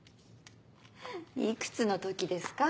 いくつの時ですか？